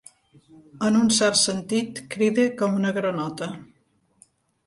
En un cert sentit, crida com una granota.